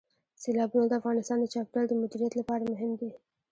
سیلابونه د افغانستان د چاپیریال د مدیریت لپاره مهم دي.